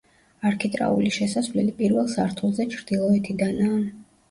არქიტრავული შესასვლელი პირველ სართულზე ჩრდილოეთიდანაა.